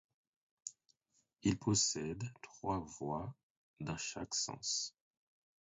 Il possède trois voies dans chaque sens.